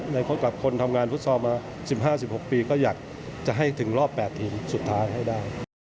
คบกับคนทำงานฟุตซอลมา๑๕๑๖ปีก็อยากจะให้ถึงรอบ๘ทีมสุดท้ายให้ได้